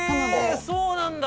そうなんだ！